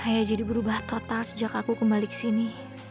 ayah jadi berubah total sejak aku kembali kesini